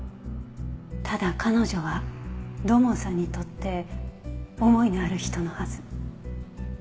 ただ彼女は土門さんにとって思いのある人のはず。